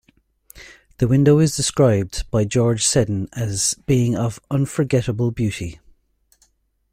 The window is described by George Seddon as being of "unforgettable beauty".